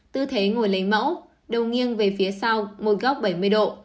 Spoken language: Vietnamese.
tư thế ngồi lấy mẫu đầu nghiêng về phía sau mỗi góc bảy mươi độ